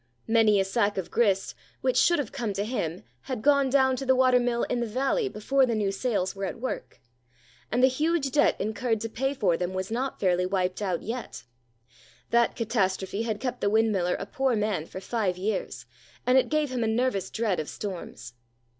Many a sack of grist, which should have come to him had gone down to the watermill in the valley before the new sails were at work; and the huge debt incurred to pay for them was not fairly wiped out yet. That catastrophe had kept the windmiller a poor man for five years, and it gave him a nervous dread of storms.